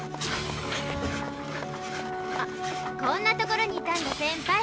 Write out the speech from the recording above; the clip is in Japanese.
こんな所にいたんだセンパイ。